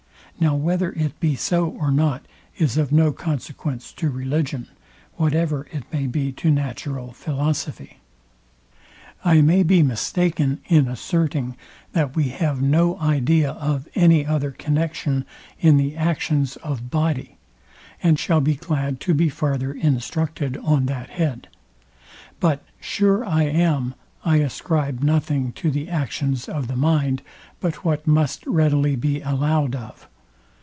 Now whether it be so or not is of no consequence to religion, whatever it may be to natural philosophy. I may be mistaken in asserting, that we have no idea of any other connexion in the actions of body, and shall be glad to be farther instructed on that head: But sure I am, I ascribe nothing to the actions of the mind, but what must readily be allowed of.